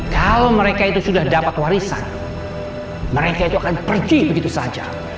kalau mereka itu sudah dapat warisan mereka itu akan pergi begitu saja